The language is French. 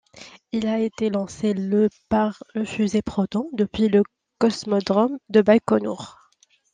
Il a été lancé le par une fusée Proton depuis le cosmodrome de Baïkonour.